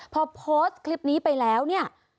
พอโพสต์คลิปนี้ไปแล้วเนี่ย